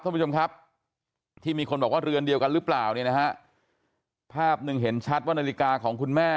ท่านผู้ชมครับที่มีคนบอกว่าเรือนเดียวกันหรือเปล่าเนี่ยนะฮะภาพหนึ่งเห็นชัดว่านาฬิกาของคุณแม่